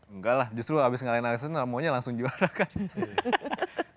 enggak lah justru abis ngalahin excelsen namanya langsung juara kan